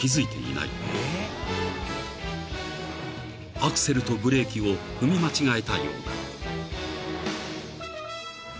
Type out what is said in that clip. ［アクセルとブレーキを踏み間違えたようだ］